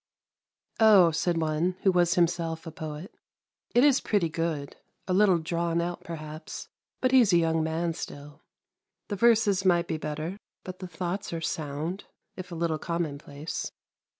'Oh,' said one, who was himself a poet, 'it is pretty good, a little drawn out perhaps, but he is a young man still. The verses might be better, but the thoughts are sound, if a little commonplace.